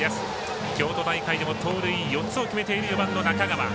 京都大会でも盗塁４つ決めている中川。